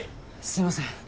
すみません。